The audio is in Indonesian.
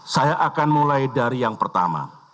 saya akan mulai dari yang pertama